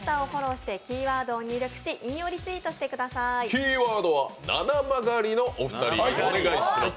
キーワードはななまがりのお二人お願いします。